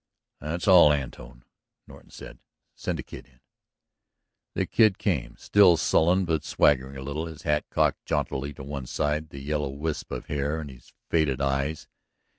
"That's all, Antone," Norton said. "Send the Kid in." The Kid came, still sullen but swaggering a little, his hat cocked jauntily to one side, the yellow wisp of hair in his faded eyes.